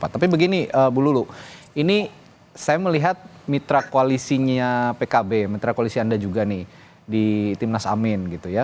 tapi begini bu lulu ini saya melihat mitra koalisinya pkb mitra koalisi anda juga nih di timnas amin gitu ya